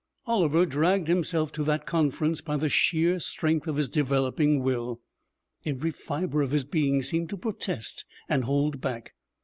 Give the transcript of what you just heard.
Oliver dragged himself to that conference by the sheer strength of his developing will. Every fibre of his being seemed to protest and hold back.